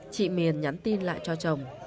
chị miền nhắn tin lại cho chồng